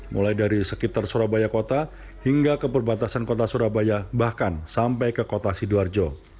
mulai dari sekitar surabaya kota hingga ke perbatasan kota surabaya bahkan sampai ke kota sidoarjo